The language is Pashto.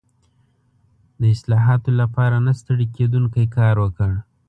د اصلاحاتو لپاره نه ستړی کېدونکی کار وکړ.